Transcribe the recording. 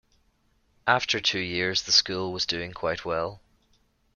After two years the school was doing quite well.